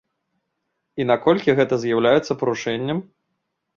І наколькі гэта з'яўляецца парушэннем?